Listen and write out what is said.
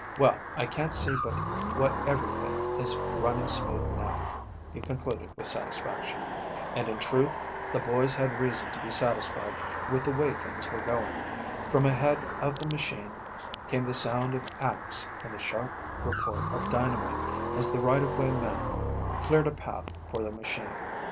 Well, I can't see but what everything is running smooth now," he concluded with satisfaction. And, in truth, the boys had reason to be satisfied with the way things were going. From ahead of the machine came the sound of axe and the sharp report of dynamite, as the right of way men cleared a path for the machine.